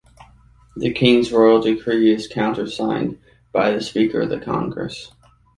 The king's royal decree is countersigned by the Speaker of the Congress.